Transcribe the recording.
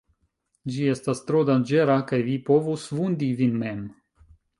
Ĝi estas tro danĝera, kaj vi povus vundi vin mem.